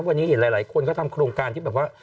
วันนี้เห็นหลายคนเขาทำโครงการที่แบบว่า